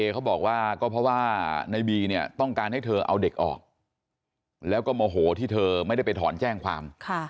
เขาบอกว่าก็เพราะว่าในบีเนี่ยต้องการให้เธอเอาเด็กออกแล้วก็โมโหที่เธอไม่ได้ไปถอนแจ้งความ